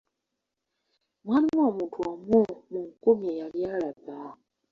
Mwalimu omuntu omu mu nkumi eyali alaba.